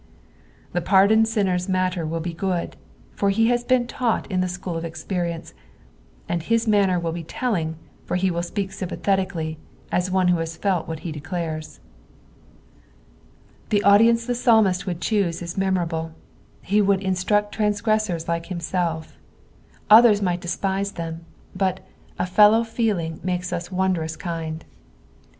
The pardoned sinner's matter will be good, for he has been taught in the school of experience, and his manner will be telling, for he will speak sympiithotically, as one who has felt what he declares. The audience the psalmist would choose is memorable — he would instruct transgressors tike himself; others might despise them, but, PSALU THE FIFTY FIRST. 45^1 "a fellow feeling makes us wondrous kind."